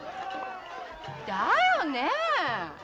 だよねぇ